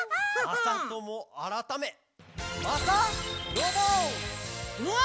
まさともあらためうわ！